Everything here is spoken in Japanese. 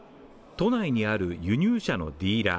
都内にある輸入車のディーラー